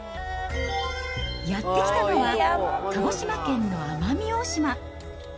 やって来たのは、鹿児島県の奄美大島。